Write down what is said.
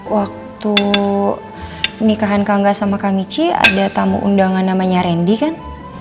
waktu nikahan kangga sama kamichi ada tamu undangan namanya randy kan